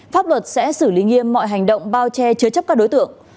pháp luật sẽ xử lý nghiêm mọi hành động bao che chứa chấp các đối tượng